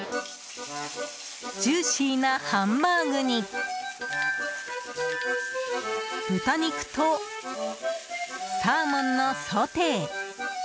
ジューシーなハンバーグに豚肉とサーモンのソテー。